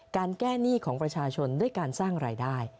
การแก้หนี้ของประชาชนด้วยการสร้างรายได้